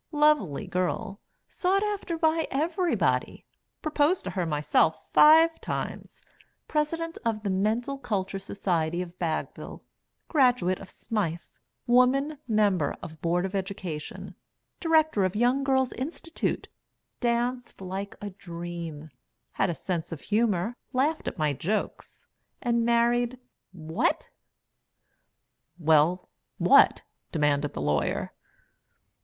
"Lovely girl sought after by everybody proposed to her myself five times President of the Mental Culture Society of Baggville graduate of Smythe woman member of Board of Education Director of Young Girls' Institute danced like a dream had a sense of humor laughed at my jokes and married what?" "Well, what?" demanded the Lawyer.